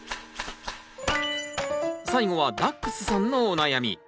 最後はダックスさんのお悩み。